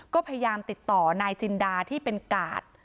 ก็พยายามติดต่อนายจินดาที่เป็นกาด